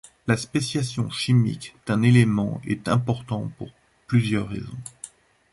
La spéciation chimique d'un élément est important pour plusieurs raisons.